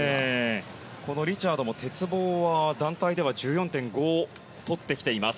リチャードも鉄棒は団体では１４．５取ってきています。